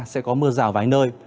sẽ có mưa rào vái nơi